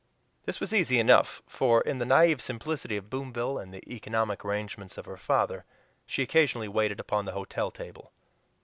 This was easy enough, for in the naive simplicity of Boomville and the economic arrangements of her father, she occasionally waited upon the hotel table.